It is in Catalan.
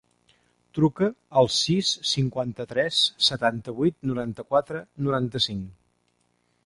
Truca al sis, cinquanta-tres, setanta-vuit, noranta-quatre, noranta-cinc.